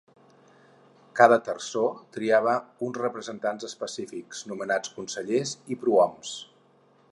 Cada terçó triava també uns representants específics, nomenats consellers i prohoms.